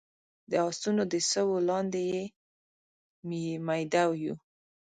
د اسونو د سوو لاندې يې ميده يو